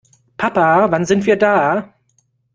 Papa, wann sind wir da?